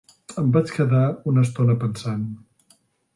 Em vaig quedar una estona pensant.